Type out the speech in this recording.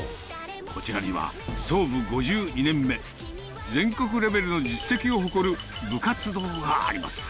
こちらには、創部５２年目、全国レベルの実績を誇る部活動があります。